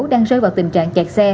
đang rơi vào tình trạng kẹt xe